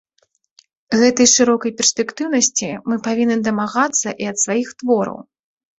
Гэтай шырокай перспектыўнасці мы павінны дамагацца і ад сваіх твораў.